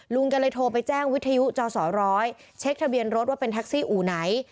ลุงก็เลยโทรไปแจ้งวิทยุจสร้อยเช็คทะเบียนรถว่าเป็นแท็กซี่อู่ไหน